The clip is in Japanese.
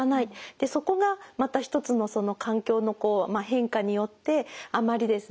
そこがまた一つの環境の変化によってあまりですね